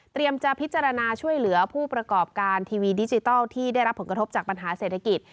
จะพิจารณาช่วยเหลือผู้ประกอบการทีวีดิจิทัลที่ได้รับผลกระทบจากปัญหาเศรษฐกิจ